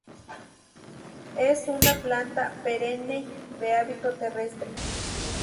Es una planta perenne, de hábito terrestre.